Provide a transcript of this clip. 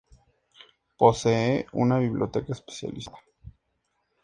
Posee una biblioteca especializada.